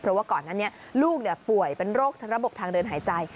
เพราะว่าก่อนหน้านี้ลูกป่วยเป็นโรคระบบทางเดินหายใจ